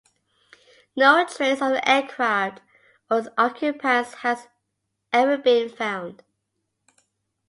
No trace of the aircraft or its occupants has ever been found.